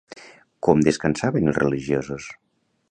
Com descansaven els religiosos?